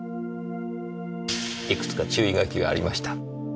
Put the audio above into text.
いくつか注意書きがありました。